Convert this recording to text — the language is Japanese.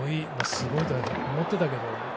すごいとは思ってたけど。